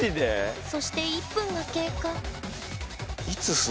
そして１分が経過。